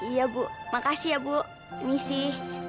iya bu makasih ya bu ini sih